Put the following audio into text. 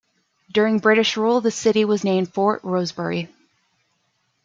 During British rule the city was named "Fort Rosebery".